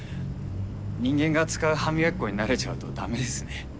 人間が使う歯磨き粉に慣れちゃうとダメですね。